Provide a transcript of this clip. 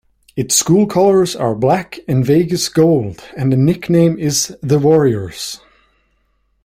Its school colors are Black and Vegas Gold and the nickname is the Warriors.